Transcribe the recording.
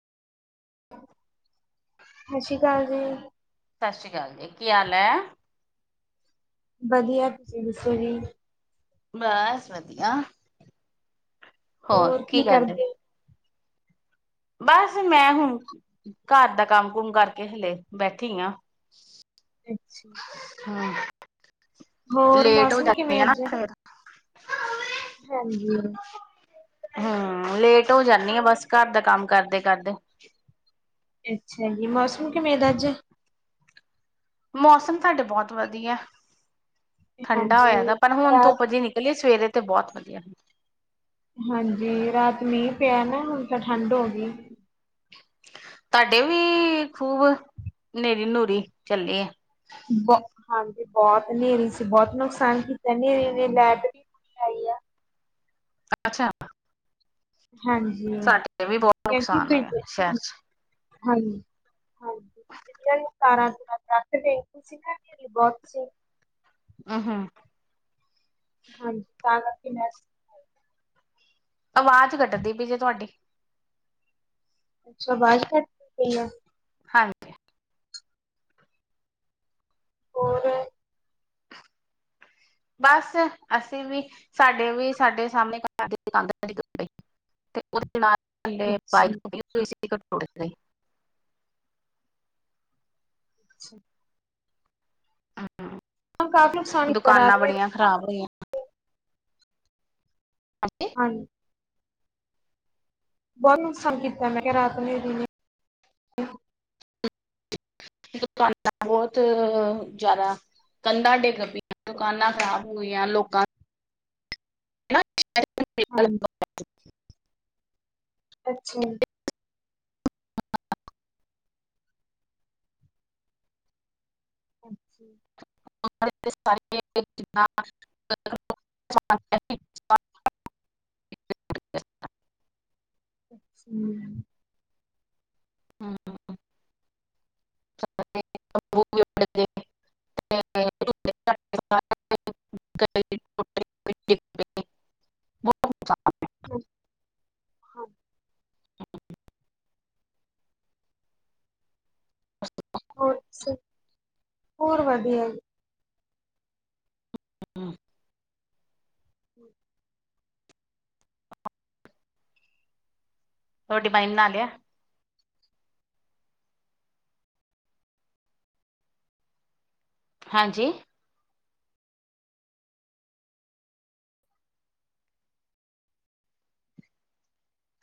ਸਤਿ ਸ਼੍ਰੀ ਅਕਾਲ ਜੀ ਸਤਿ ਸ਼੍ਰੀ ਅਕਾਲ ਜੀ, ਕੀ ਹਾਲ ਹੈ ਵਧੀਆ, ਤੁਸੀਂ ਦੱਸੋ ਜੀ ਬਸ ਵਧੀਆ, ਹੋਰ ਕੀ ਗਲ ਹੈ ਬਸ, ਮੈਂ ਹੁਣ ਘਰ ਦਾ ਕੰਮ ਕੁਮ ਕਰਕੇ, ਹਾਲੇ ਬੈਠੀ ਆ ਅੱਛਾ ਹਾ, ਹੋਰ ਲੇਟ ਹੋ ਮੌਸਮ ਜਾਂਦੀ ਕਿਵੇਂ ਆ ਨਾ ਅੱਜ? ਫੇਿਰ ਹਾਂਜੀ ਹਾ, ਲੇਟ ਹੋ ਜਾਂਦੀ ਆ ਬਸ, ਘਰ ਦਾ ਕੰਮ ਕਰਦੇ ਕਰਦੇ ਅੱਛਾ ਜੀ, ਮੌਸਮ ਕਿਵੇਂ ਦਾ ਅੱਜ ਮੌਸਮ ਤੁਹਾਡੇ ਬਹੁਤ ਵਧੀਆ, ਠੰਡਾ ਹਾਂਜੀ, ਹੋਇਆ ਦਾ ਪਰ ਹੁਣ ਰਾਤ ਧੁੱਪ ਜੇ ਨਲ ਜੀ ਨਿਕਲੀ, ਸਵੇਰੇ ਤੇ ਬਹੁਤ ਵਧੀਆ ਹਨ। ਹਾਂਜੀ ਰਾਤ ਮੀਂਹ ਪਿਆ ਨਾ, ਹੁਣ ਤਾਂ ਠੰਢ ਹੋ ਗਈ। ਤੁਹਾਡੇ ਵੀ ਖੂਬ, ਹਨੇਰੀ ਨੂਰੀ ਚੱਲੀ ਹੈ। ਬਹੁ ਹਾਂਜੀ ਬਹੁਤ ਹਨੇਰੀ ਸੀ, ਬਹੁਤ ਨੁਕਸਾਨ ਕੀਤਾ ਹਨੇਰੇ ਨੇ, ਨੈਟ ਵੀ ਹੈ ਹੀ ਆ। ਅੱਛਾ। ਹਾਂਜੀ, ਸਾਡੇ ਵੀ ਬਹੁਤ ਕਿਉਂਕਿ ਨੁਕਸਾਨ ਹੋਇਆ ਬੇਬੇ ਸ਼ਹਿਰ ਚ ਹਾਂਜੀ। ਹਾਂਜੀ ਬਿਜਲੀਆਂ ਨੂੰ ਤਾਰਾਂ ਤਾਂ ਕਰੰਟ ਸੀਗੇ, ਬਹੁਤ ਸੀ। ਆ ਹੂੰ। ਹਾਂਜੀ ਤਾਂ ਕਰਕੇ ਮੈਂ ਆਵਾਜ਼ ਕੱਟਦੀ ਪਈ ਜੇ ਤੁਹਾਡੀ ਅੱਛਾ ਆਵਾਜ਼ ਕੱਟ ਰਹੀ ਆ। ਹਾਂਜੀ। ਔਰ। ਬਸ ਅਸੀਂ ਵੀ ਸਾਡੇ ਵੀ ਸਾਡੇ ਸਾਹਮਣੇ ਘਰ ਦੀ ਦੁਕਾਨਦਾਰਾਂ ਦੀ ਉਹ ਦੇ ਨਾਲ ਦੇ ਅੱਛਾ ਬਾਈਕ ਹੋਈ [inaudible] ਅੱਛਾ। ਕਾਫੀ ਨੁਕਸਾਨ ਹੂੰ, ਕੀਤਾ ਦੁਕਾਨਾਂ ਰਾਤ ਨੇ ਬੜੀਆਂ ਖ਼ਰਾਬ ਰਹੀਆਂ। [inaudible] ਹਾਂਜੀ। ਬਹੁਤ ਨੁਕਸਾਨ ਕੀਤਾ ਮੈਂ ਕਿਹਾ ਰਾਤ ਨੇ [inaudible] ਬਹੁਤ ਜ਼ਿਆਦਾ ਕੰਧਾਂ ਡਿੱਗ ਪਈਆਂ ਦੁਕਾਨਾਂ ਖਰਾਬ ਹੋਈਆਂ ਲੋਕਾਂ ਦੀਆ [inaudible] ਹਾਂਜੀ [inaudible] ਅੱਛਾ। [inaudible] ਹਾਂਜੀ। [inaudible] ਹੂੰ, [unintelligible] [inaudible] [inaudible] ਹੂੰ, ਹੋਰ ਦੱਸੋ ਹੋਰ ਵਧੀਆ ਜੀ। [inaudible] ਰੋਟੀ ਪਾਣੀ ਬਣਾ ਲਿਆ। ਹਾਂਜੀ,